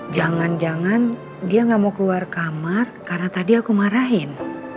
jangan jangan dia nggak mau keluar kamar karena tadi aku marahin